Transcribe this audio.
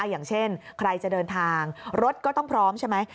อย่างเช่นใครจะเดินทางรถก็ต้องพร้อมใช่ไหม